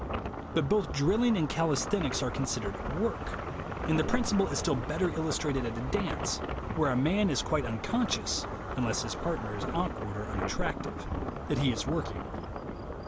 But both drill ing and calisthenics are considered "work," and the principle is still better illustrated at a dance, where a man is quite unconscious (unless his partner is awkward or unattractive) that he is working.